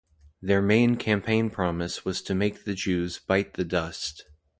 Their main campaign promise was to make the Jews "bite the dust".